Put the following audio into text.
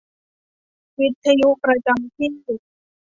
วิทยุประจำที่